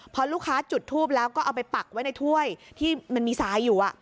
พอลูกค้าจุดทูปแล้วก็เอาไปปักไว้ในถ้วยที่มันมีทรายอยู่